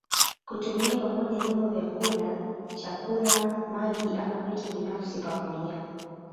Kutumia pamoja vyombo vya kula chakula maji ama vitu binafsi pamoja